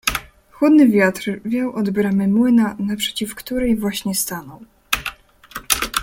Chłodny wiatr wiał od bramy młyna, naprzeciw której właśnie stanął.